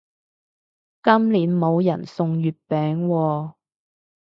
今年冇人送月餅喎